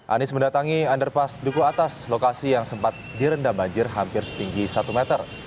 anies mendatangi underpas duku atas lokasi yang sempat direndam banjir hampir setinggi satu meter